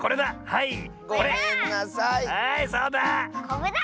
はいそうだ！